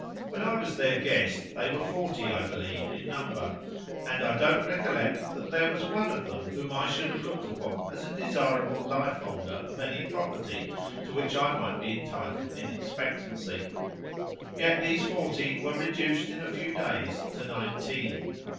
When I was their guest they were forty I believe in number, and I don't recollect that there was one of them whom I should have looked upon as a desirable life holder of any property to which I might be entitled in expectancy. Yet these forty were reduced in a few days to nineteen.